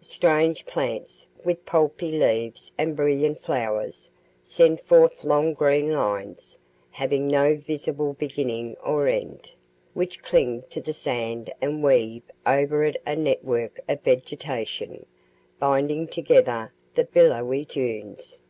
Strange plants, with pulpy leaves and brilliant flowers, send forth long green lines, having no visible beginning or end, which cling to the sand and weave over it a network of vegetation, binding together the billowy dunes.